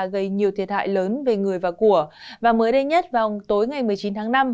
gây nhiều thiệt hại lớn về người và của và mới đây nhất vào tối ngày một mươi chín tháng năm